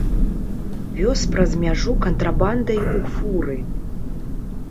Вёз праз мяжу кантрабандай у фуры.